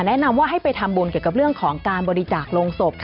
แนะนำว่าให้ไปทำบุญเกี่ยวกับเรื่องของการบริจาคลงศพ